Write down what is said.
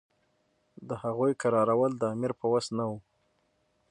د هغوی کرارول د امیر په وس نه وو.